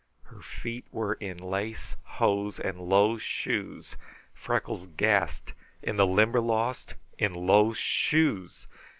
Her feet were in lace hose and low shoes. Freckles gasped. In the Limberlost in low shoes!